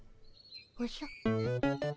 おじゃ？